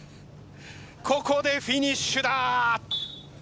ここでフィニッシュだ！